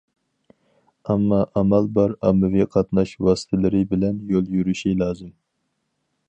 ئامما ئامال بار ئاممىۋى قاتناش ۋاسىتىلىرى بىلەن يول يۈرۈشى لازىم.